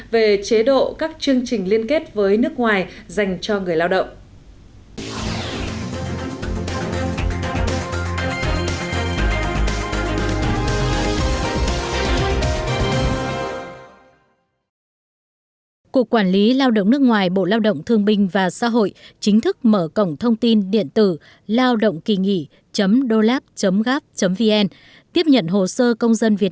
về chế độ các chương trình liên kết với nước ngoài dành cho người lao động